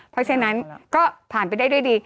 เพราะฉะนั้นก็ผ่านไปได้ด้วยดี